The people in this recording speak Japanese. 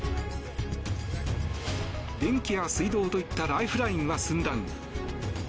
電気や水道といったライフラインは寸断。